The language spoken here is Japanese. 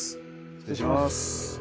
失礼します